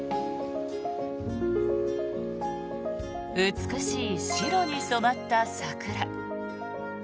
美しい白に染まった桜。